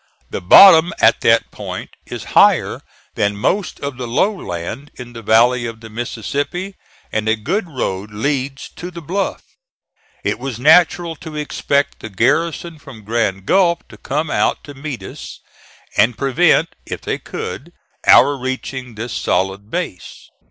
The bottom at that point is higher than most of the low land in the valley of the Mississippi, and a good road leads to the bluff. It was natural to expect the garrison from Grand Gulf to come out to meet us and prevent, if they could, our reaching this solid base.